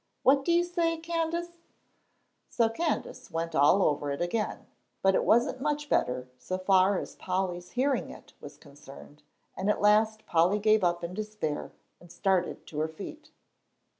"What do you say, Candace?" So Candace went all over it again; but it wasn't much better so far as Polly's hearing it was concerned, and at last Polly gave it up in despair and started to her feet.